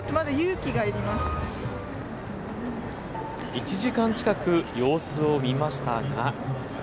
１時間近く様子を見ましたが。